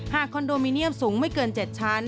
คอนโดมิเนียมสูงไม่เกิน๗ชั้น